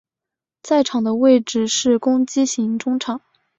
在场上的位置是攻击型中场。